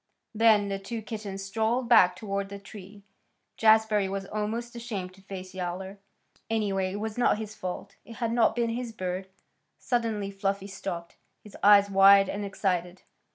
Then the two kittens strolled back toward the tree. Jazbury was almost ashamed to face Yowler. Anyway, it was not his fault. It had not been his bird. Suddenly Fluffy stopped, his eyes wide and excited.